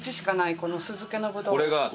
これが酢漬けのぶどう。